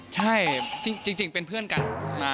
ใช่จริงเป็นเพื่อนกัน